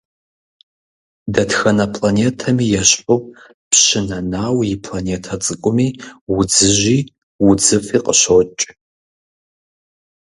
Дэтхэнэ планетэми ещхьу, Пщы Нэнау и планетэ цӀыкӀуми удзыжьи удзыфӀи къыщокӀ.